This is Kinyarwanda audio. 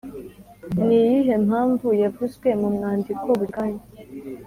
Ni iyihe mpamvu yavuzwe mu mwandiko buri kanya